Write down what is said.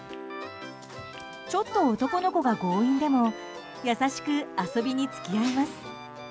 ちょっと男の子が強引でも優しく遊びに付き合います。